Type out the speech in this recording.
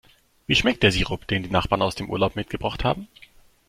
Wie schmeckt der Sirup, den die Nachbarn aus dem Urlaub mitgebracht haben?